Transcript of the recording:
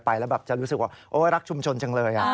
ไปแล้วแบบจะรู้สึกว่าโอ๊ยรักชุมชนจังเลย